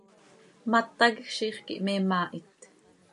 Mata quij ziix quih me maahit.